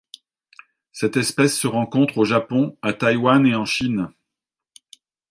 Cette espèce se rencontre au Japon, à Taïwan et en Chine.